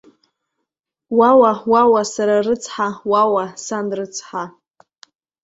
Уауа, уауа, сара рыцҳа, уауа, сан рыцҳа!